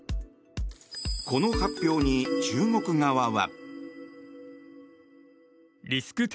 この発表に中国側は。